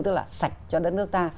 tức là sạch cho đất nước ta